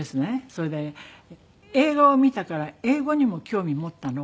それで映画を見たから英語にも興味持ったの。